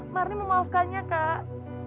marni memaafkannya kak